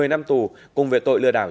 một mươi năm tù cùng về tội lừa đảo